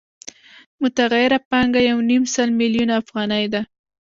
متغیره پانګه یو نیم سل میلیونه افغانۍ ده